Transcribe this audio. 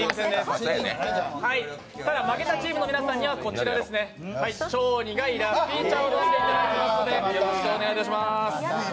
ただ負けたチームの皆さんにはこちらですね、超苦いラッピー茶を飲んでいただきますのでよろしくお願いします。